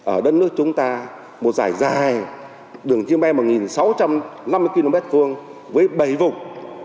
ở đất nước chúng ta một dài dài đường km một sáu trăm năm mươi km hai với bảy vùng